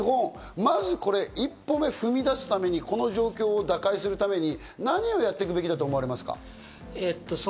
日本はまず一歩目を踏み出すためにこの状況を打開するために何をやっていくべきだと思いますか？